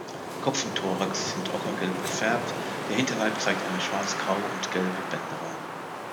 Kopf und Thorax sind ockergelb gefärbt, der Hinterleib zeigt eine schwarzgraue und gelbe Bänderung.